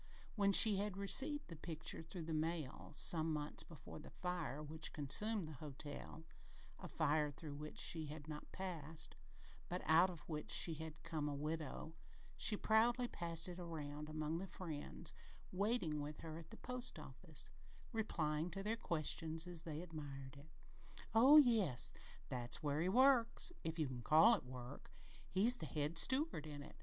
When she had received the picture through the mail, some months before the fire which consumed the hotel a fire through which she had not passed, but out of which she had come a widow she proudly passed it around among the friends waiting with her at the post office, replying to their questions as they admired it: "Oh, yes! That's where he works if you can call it work. He's the head steward in it.